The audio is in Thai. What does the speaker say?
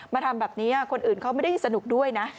มาทำแบบนี้คนอื่นเขาไม่ได้สนุกด้วยนะ